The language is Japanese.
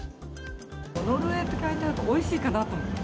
ノルウェーって書いてあるとおいしいかなって思って。